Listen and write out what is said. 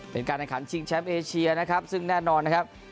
เป็นการแข่งขันชิงแชมป์เอเชียนะครับซึ่งแน่นอนนะครับ